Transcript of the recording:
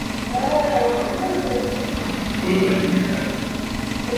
Hamna tatizo mzee wangu nilitaka kujua hilo tu alijibu Jacob